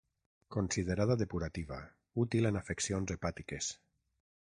Considerada depurativa, útil en afeccions hepàtiques.